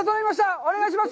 お願いします！